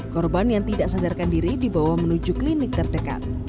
korban yang tidak sadarkan diri dibawa menuju klinik terdekat